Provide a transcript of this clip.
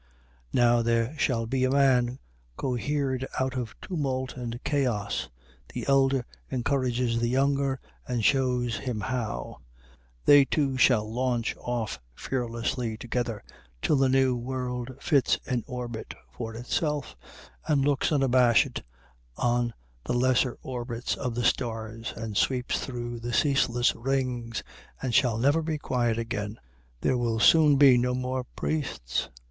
Now there shall be a man cohered out of tumult and chaos the elder encourages the younger and shows him how they two shall launch off fearlessly together till the new world fits an orbit for itself, and looks unabash'd on the lesser orbits of the stars, and sweeps through the ceaseless rings, and shall never be quiet again. There will soon be no more priests.